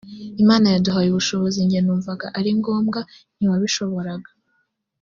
imana yaduhaye ubushobozi njye numvaga ari ngombwa ntiwashoboraga